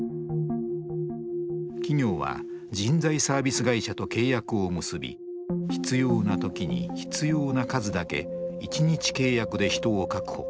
企業は人材サービス会社と契約を結び必要な時に必要な数だけ一日契約で人を確保。